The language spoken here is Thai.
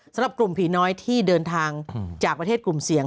สำหรับกลุ่มผีน้อยที่เดินทางจากประเทศกลุ่มเสี่ยง